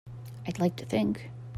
I'd like to think.